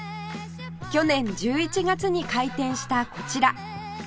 去年１１月に開店したこちら